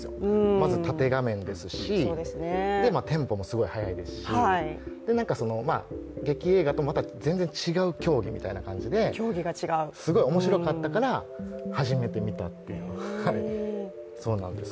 まず縦画面ですし、テンポもすごく早いですし劇映画と全然違う競技みたいな感じですごい面白かったから始めてみたという感じです。